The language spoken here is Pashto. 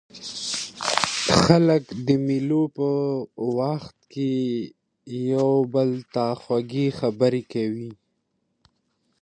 خلک د مېلو پر مهال یو بل ته خوږې خبري کوي.